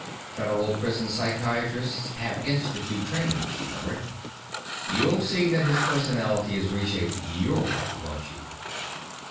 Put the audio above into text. "Federal prison psychiatrists have Institute training," she murmured. "You'll see that his personality is reshaped your way, won't you?"